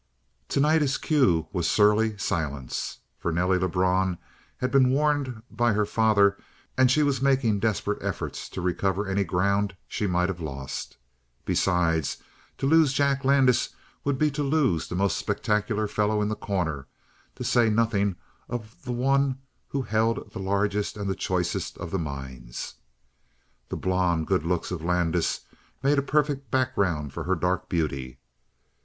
Tonight his cue was surly silence. For Nelly Lebrun had been warned by her father, and she was making desperate efforts to recover any ground she might have lost. Besides, to lose Jack Landis would be to lose the most spectacular fellow in The Corner, to say nothing of the one who held the largest and the choicest of the mines. The blond, good looks of Landis made a perfect background for her dark beauty.